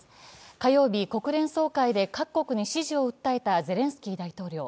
火曜日、国連総会で各国に支持を訴えたゼレンスキー大統領。